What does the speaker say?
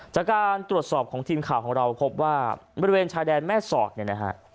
จากการตรวจสอบของทีมข่าวของเราพบว่าบริเวณชายแดนแม่สอดเนี่ยนะฮะ